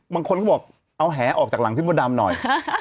บางคนก็บอกเอาแหออกจากหลังพี่มดดำหน่อย